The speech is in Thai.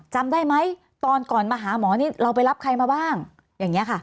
จำได้ไหมตอนก่อนมาหาหมอนี่เราไปรับใครมาบ้างอย่างนี้ค่ะ